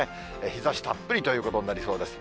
日ざしたっぷりということになりそうです。